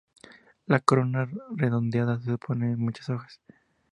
La corona redondeada se compone de muchas hojas-.